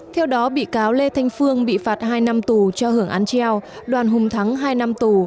theo đó bị cáo lê thanh phương bị phạt hai năm tù cho hưởng án treo đoàn hùng thắng hai năm tù